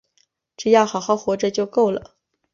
只要好好活着就够了